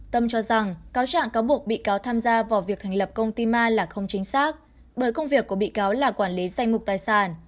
tâm cho rằng cáo trạng cáo buộc bị cáo tham gia vào việc thành lập công ty ma là không chính xác bởi công việc của bị cáo là quản lý danh mục tài sản